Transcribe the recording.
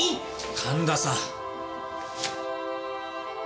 神田さん。